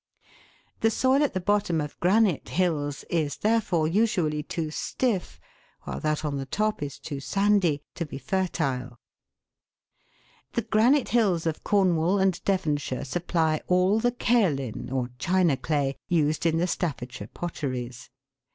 The soil at the bottom of granite hills is, therefore, usually too stiff, while that on the top is too sandy, to be fertile. The granite hills of Cornwall and Devonshire supply all the kaolin, or china clay, used in the Staffordshire pot teries.